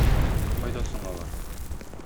Кайда соң алар?